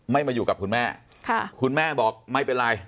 มาอยู่กับคุณแม่คุณแม่บอกไม่เป็นไร